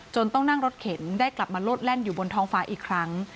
ต้องนั่งรถเข็นได้กลับมาโลดแล่นอยู่บนท้องฟ้าอีกครั้ง